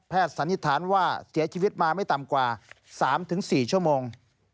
สันนิษฐานว่าเสียชีวิตมาไม่ต่ำกว่า๓๔ชั่วโมง